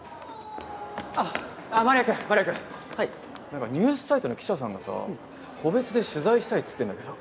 なんかニュースサイトの記者さんがさ個別で取材したいっつってるんだけど。